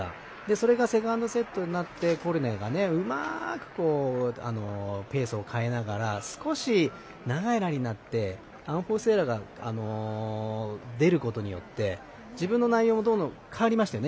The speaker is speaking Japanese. それがセカンドセットになってコルネがうまくペースを変えながら少し長いラリーになってアンフォーストエラーが出ることによって自分の内容どんどん変わりましたよね。